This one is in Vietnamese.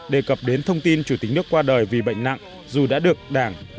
đề cập đến thông tin chủ tịch nước qua đời vì bệnh nặng dù đã được đảng nhà nước tận tình cứu chữa